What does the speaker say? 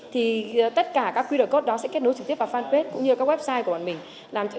thì tất cả các qr code đó sẽ kết nối trực tiếp vào fanpage cũng như các website của bọn mình